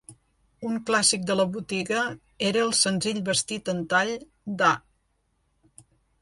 Un clàssic de la botiga era el senzill vestit en tall d'A.